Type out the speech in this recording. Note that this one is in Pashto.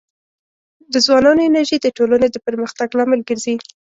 د ځوانانو انرژي د ټولنې د پرمختګ لامل ګرځي.